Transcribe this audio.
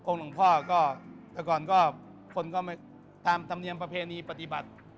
หลวงพ่อก็แต่ก่อนก็คนก็ไม่ตามธรรมเนียมประเพณีปฏิบัติ